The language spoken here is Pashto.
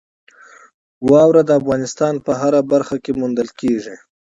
واوره د افغانستان په هره برخه کې موندل کېږي.